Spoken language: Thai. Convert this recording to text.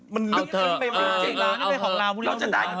มันลึกไปเราจะได้